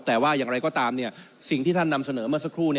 แต่ว่าอย่างไรก็ตามสิ่งที่ท่านนำเสนอเมื่อสักครู่